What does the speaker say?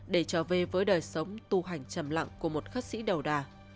để trở về với đời sống tu hành chầm lặng của một khách sĩ đầu đà